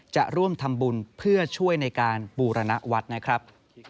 จะร่วมทำบุญเพื่อช่วยในการบูรณวัฒน์นะครับ